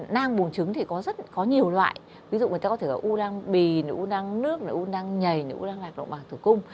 nang bùng trứng có rất nhiều loại ví dụ người ta có thể là u nang bì u nang nước u nang nhầy u nang lạc động bằng thử cung